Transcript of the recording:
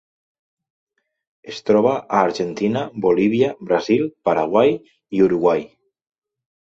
Es troba a Argentina, Bolívia, Brasil, Paraguai i Uruguai.